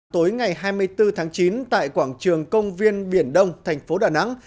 tối ngày hai mươi bốn tháng chín tại quảng trường công viên biển đông thành phố đà nẵng